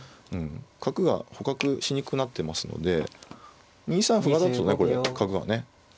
角が捕獲しにくくなってますので２三歩だとねこれ角がね